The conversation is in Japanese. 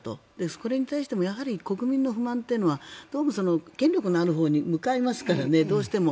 それに対しても国民の不満というのはどうも権力のあるほうに向かいますから、どうしても。